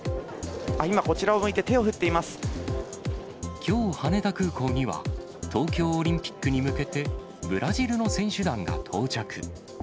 今、きょう羽田空港には、東京オリンピックに向けて、ブラジルの選手団が到着。